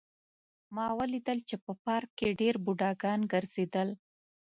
ما ولیدل چې په پارک کې ډېر بوډاګان ګرځېدل